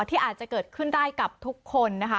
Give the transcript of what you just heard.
ที่อาจจะเกิดขึ้นได้กับทุกคนนะคะ